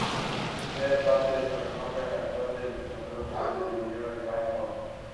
Debe parte de su renombre actual a los elogios que le dedicó Van Gogh.